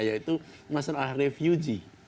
yaitu masalah refugee